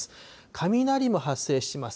雷も発生します。